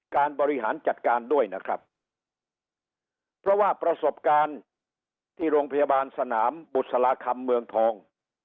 บริหารจัดการด้วยนะครับเพราะว่าประสบการณ์ที่โรงพยาบาลสนามบุษราคำเมืองทอง